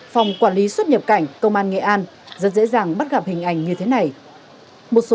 phòng quản lý xuất nhập cảnh công an nghệ an rất dễ dàng bắt gặp hình ảnh như thế này một số